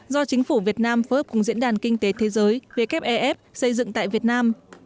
do chính phủ việt nam phối hợp cùng diễn đàn kinh tế thế giới wef xây dựng tại việt nam